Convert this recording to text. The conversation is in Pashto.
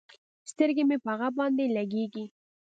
سترګې مې په هغه باندې لګېږي.